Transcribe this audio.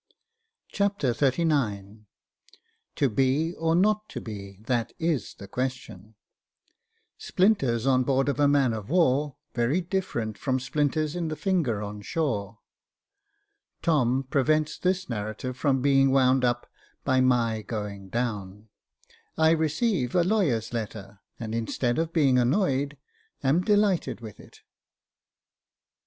Chapter XXXIX "To be, or not to be," that is the question — Splinters on board of a man of war, very different from splinters in the finger on shore — Tom prevents this narrative from being wound up by my going down — I receive a lawyer's letter, and instead of being annoyed, am delighted with it.